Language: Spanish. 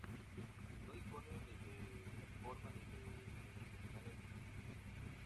No dispone ni de plataforma ni de terminales de ningún tipo.